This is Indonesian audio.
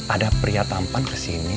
ada pria tampan kesini